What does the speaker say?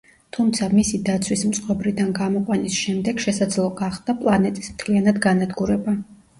თუმცა, მისი დაცვის მწყობრიდან გამოყვანის შემდეგ შესაძლო გახდა პლანეტის მთლიანად განადგურება.